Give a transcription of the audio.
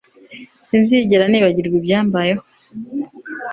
Sinzigera nibagirwa ibyambayeho